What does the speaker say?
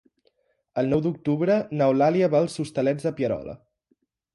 El nou d'octubre n'Eulàlia va als Hostalets de Pierola.